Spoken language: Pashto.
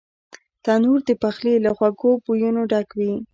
تنور د پخلي له خوږو بویونو ډک وي